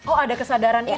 oh ada kesadaran itu ya